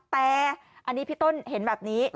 แต่อันนี้พี่ต้นเห็นแบบนี้